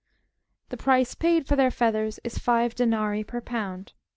^ The price paid for their feathers is five denarii per pound.